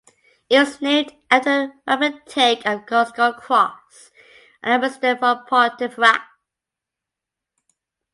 It was named after the Wapentake of Osgoldcross and administered from Pontefract.